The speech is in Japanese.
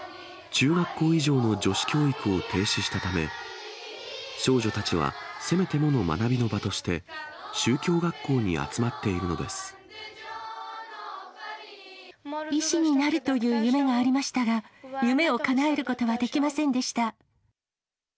中学校以上の女子教育を停止したため、少女たちはせめてもの学びの場として、宗教学校に集まっているの医師になるという夢がありましたが、夢をかなえることはできませんでした。